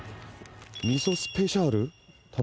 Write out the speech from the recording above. みそスペシャル？